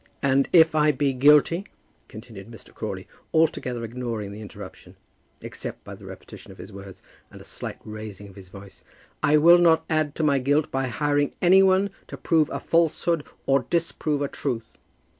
"And if I be guilty," continued Mr. Crawley, altogether ignoring the interruption, except by the repetition of his words, and a slight raising of his voice, "I will not add to my guilt by hiring any one to prove a falsehood or to disprove a truth."